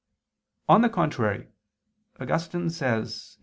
On the contrary, Augustine says (QQ.